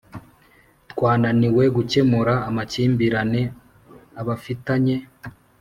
twananiwe gukemura amakimbirane abafitanye